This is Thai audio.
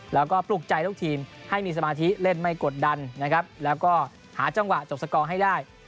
แล้วก็ปลุกใจลูกทีมให้มีสมาธิเล่นไม่กดดันนะครับแล้วก็หาจังหวะจบสกอร์ให้ได้